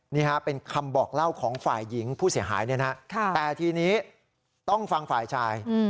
นี่ฮะเป็นคำบอกเล่าของฝ่ายหญิงผู้เสียหายเนี่ยนะแต่ทีนี้ต้องฟังฝ่ายชาย